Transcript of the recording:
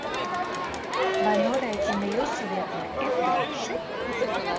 Vai norēķini jūsu vietnē ir droši?